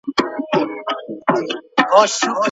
قلمي خط د جهل پر وړاندي مبارزه ده.